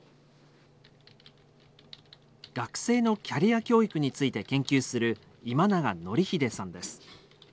学生のキャリア教育について研究する今永典秀さんです。